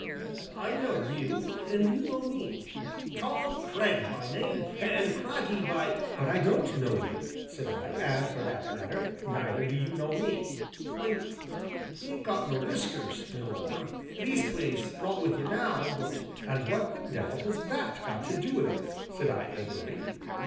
I know you, an' you know me Tom Cragg by name an' craggy by " "But I don't know you," said I, "and, for that matter, neither do you know me." "W'y, you ain't got no whiskers, my lord leastways, not with you now, but " "And what the devil has that got to do with it?" said I angrily.